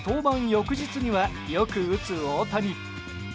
翌日にはよく打つ大谷。